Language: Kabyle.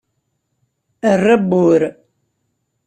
Err abbur!